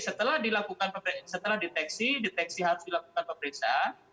setelah dilakukan setelah deteksi deteksi harus dilakukan pemeriksaan